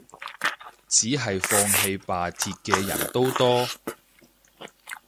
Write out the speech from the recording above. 只係放棄罷鐵嘅人都多